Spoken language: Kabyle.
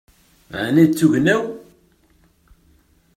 Ɛni d tugna-w?